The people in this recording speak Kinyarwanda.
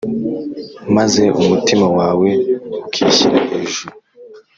maze umutima wawe ukishyira hejuru,